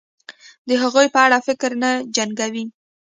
د هغوی په اړه فکر نه جنګوي